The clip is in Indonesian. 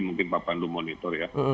mungkin pak pandu monitor ya